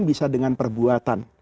bisa dengan perbuatan